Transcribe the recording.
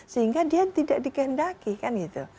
sehingga dia tidak dikehendaki kan gitu